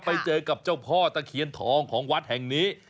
ไปเจอกับเจ้าพ่อตะเคียนทองของวัดแห่งนี้